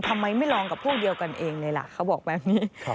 ทำไมไม่ลองกับพวกเดียวกันเองเลยล่ะเขาบอกแบบนี้